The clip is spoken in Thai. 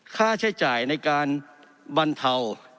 ค่าใช้จ่ายในการบรรเทา